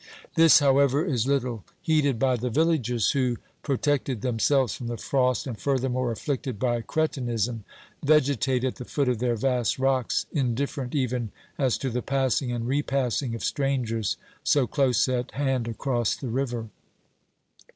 This, however, is little heeded by the villagers, who, pro tected themselves from the frost, and furthermore afflicted by cretinism, vegetate at the foot of their vast rocks, in different even as to the passing and repassing of strangers so close at hand across the river.